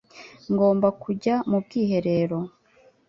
Ngomba kujya mu bwiherero